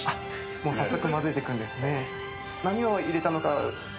もう早速混ぜていくんですね。